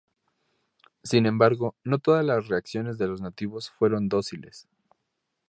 Sin embargo, no todas la reacciones de los nativos fueron dóciles.